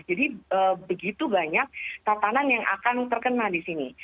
jadi begitu banyak tatanan yang akan terkena di sini